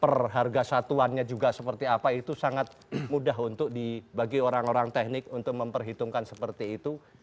perharga satuannya juga seperti apa itu sangat mudah untuk dibagi orang orang teknik untuk memperhitungkan seperti itu